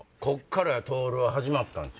こっからとおるは始まった。